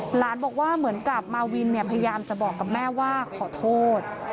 หลานบอกว่าเหมือนกับมาวินพยายามจะบอกกับแม่ว่าขอโทษ